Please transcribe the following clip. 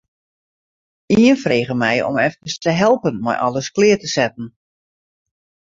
Ien frege my om efkes te helpen mei alles klear te setten.